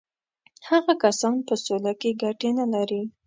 هغه کسان په سوله کې ګټې نه لري.